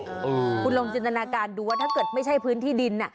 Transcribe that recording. คุณลองจินตนาการดูว่าถ้าเกิดไม่ใช่พื้นที่ดิน